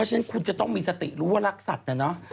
ฉะนั้นคุณจะต้องมีสติรู้ว่ารักสัตว์นะเนาะ